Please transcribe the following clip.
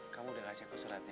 kamu udah kasih aku suratnya